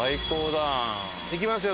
行きますよ